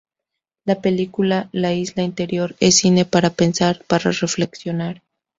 La película La isla interior es cine para pensar, para reflexionar.